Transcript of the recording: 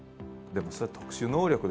でもそれは特殊能力ですよね